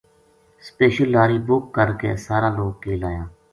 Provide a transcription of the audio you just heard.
سپیشل لاری بُک کر کے سارا لوک کیل آیا